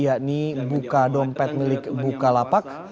yakni buka dompet milik buka lapak